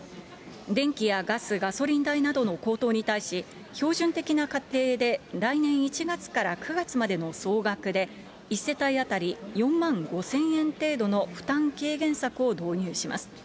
電気やガス、ガソリン代などの高騰に対し、標準的な家庭で来年１月から９月までの総額で、１世帯当たり４万５０００円程度の負担軽減策を導入します。